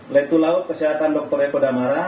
letu laut kesehatan dr eko damara